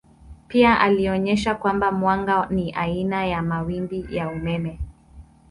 Pia alionyesha kwamba mwanga ni aina ya mawimbi ya umeme.